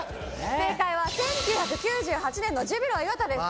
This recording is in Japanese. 正解は１９９８年のジュビロ磐田です。